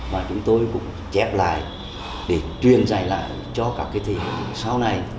và chúng tôi cũng chép lại để truyền dạy lại cho các thế hệ sau này